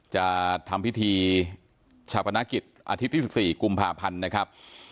จะทำพิธีชะปนากิจอาทิตย์ที่สิบสี่กลุ่มพละพรรณนะครับ